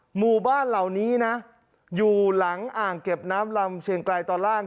หมู่บ้านเหล่านี้นะอยู่หลังอ่างเก็บน้ำลำเชียงไกลตอนล่าง